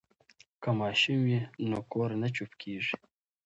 که ماشوم وي نو کور نه چوپ کیږي.